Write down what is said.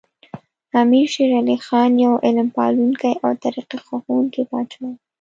امیر شیر علی خان یو علم پالونکی او ترقي خوښوونکی پاچا و.